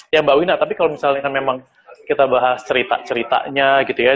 ya mbak wina tapi kalau misalnya kan memang kita bahas cerita ceritanya gitu ya